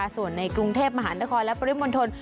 ส่วนในกรุงเทพมหานครและปริมณฑล